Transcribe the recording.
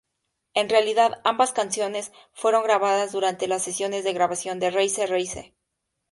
En realidad ambas canciones fueron grabadas durante las sesiones de grabación de "Reise, Reise".